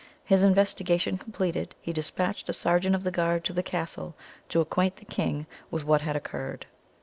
His investigation completed, he dispatched a sergeant of the guard to the castle to acquaint the king with what had occurred.